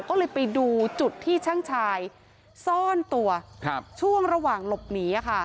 ก็เลยไปดูจุดที่ช่างชายซ่อนตัวช่วงระหว่างหลบหนี